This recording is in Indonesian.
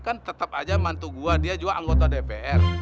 kan tetap aja mantu gue dia juga anggota dpr